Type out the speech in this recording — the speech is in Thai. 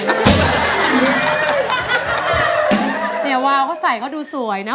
เนี่ยวาวเขาใส่เขาดูสวยนะ